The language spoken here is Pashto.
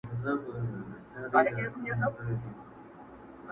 قاتلان او جاهلان یې سرداران دي!!